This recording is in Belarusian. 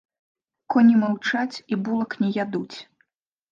Коні маўчаць, і булак не ядуць.